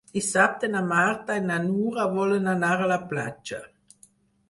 Dissabte na Marta i na Nura volen anar a la platja.